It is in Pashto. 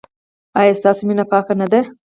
ایا ستاسو مینه پاکه نه ده؟